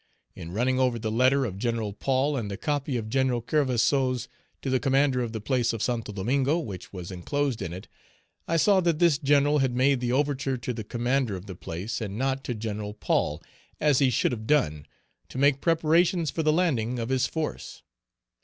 In running over the letter of Gen. Paul and the copy of Gen. Kerverseau's to the commander of the place of Santo Domingo, which was enclosed in it, I saw that this general had made the overture to the commander of the place, and not to Gen. Paul, as he should have done, to make preparations for the landing of his force.